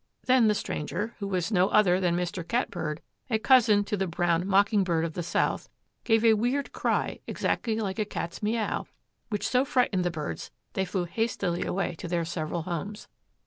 Then the stranger, who was no other than Mr. Cat bird, a cousin to the brown mocking bird of the south, gave a weird cry exactly like a cat's meow which so frightened the birds they flew hastily away to their several homes.